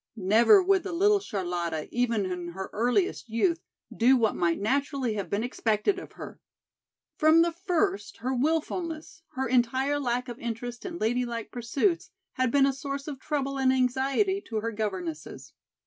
Never would the little Charlotta even in her earliest youth do what might naturally have been expected of her! From the first her wilfulness, her entire lack of interest in ladylike pursuits had been a source of trouble and anxiety to her governesses.